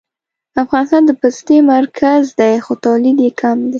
افغانستان د پستې مرکز دی خو تولید یې کم دی